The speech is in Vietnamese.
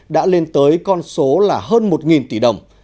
đã lên tới con số hơn một tỷ đồng